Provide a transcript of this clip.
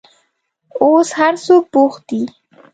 اوس هر څوک بوخت دي.